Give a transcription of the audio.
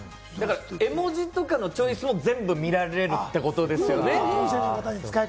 絵文字とかのチョイスも全部見られるってことですよね。